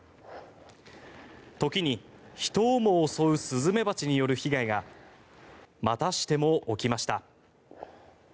時に人をも襲うスズメバチによる被害がまたしても起きました。